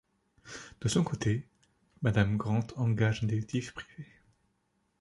De son côté, Madame Grant engage un détective privé.